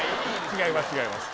違います